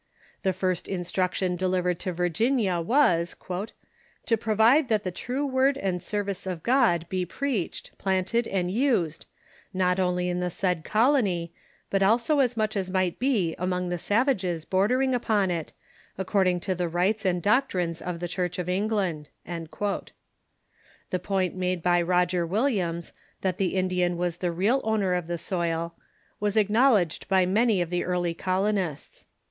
The first instruction delivered to Virginia was: "To provide that the true Avord and service of God be preached, planted, and used, not only in the said colony, but also as much as might be among the savages bordering upon it, accord ing to the rites and doctrines of the Church of England." The point made by Roger Williams, that the Indian was the real owner of the soil, was acknowledged by many of the early colonists.